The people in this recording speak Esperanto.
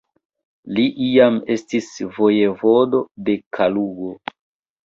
Li iam estis vojevodo de Kalugo.